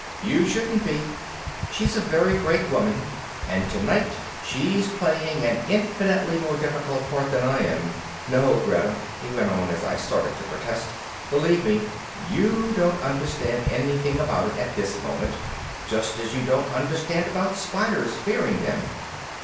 "You shouldn't be. She's a very great woman and tonight she's playing an infinitely more difficult part than I am. No, Greta," he went on as I started to protest, "believe me, you don't understand anything about it at this moment. Just as you don't understand about spiders, fearing them.